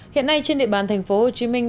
hiện nay trên địa bàn thành phố hồ chí minh